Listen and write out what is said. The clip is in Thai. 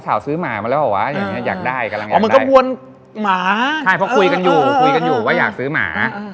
คุยกันอยู่ว่าอยากซื้อหมา